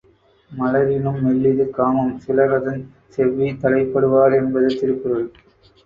மலரினும் மெல்லிது காமம் சிலரதன் செவ்வி தலைப்படு வார் என்பது திருக்குறள்.